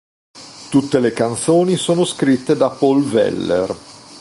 Tutte le canzoni sono scritte da Paul Weller